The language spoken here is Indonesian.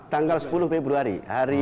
tanggal sepuluh februari